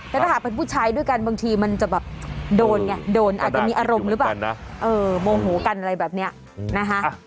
แล้วถ้าหากเป็นผู้ชายด้วยกันบางทีมันจะแบบโดนไงโดนอาจจะมีอารมณ์หรือเปล่าโมโหกันอะไรแบบนี้นะคะ